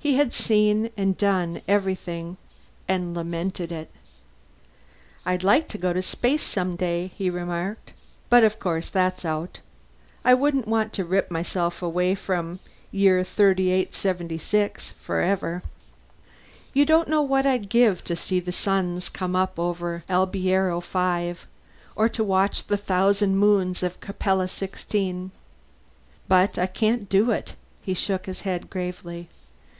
He had seen and done everything, and lamented it. "I'd like to go to space someday," he remarked. "But of course that's out. I wouldn't want to rip myself away from the year 3876 forever. You don't know what I'd give to see the suns come up over Albireo V, or to watch the thousand moons of Capella XVI. But I can't do it." He shook his head gravely.